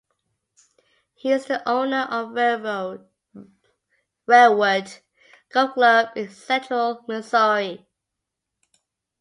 He is the owner of Railwood Golf Club in central Missouri.